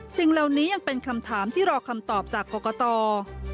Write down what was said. สิ่งเหล่านี้ยังเป็นคำถามที่รอคำตอบจากกรกต